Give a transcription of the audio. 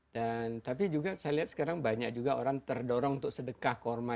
dan tapi juga saya lihat sekarang banyak juga orang terdorong untuk sedekah korma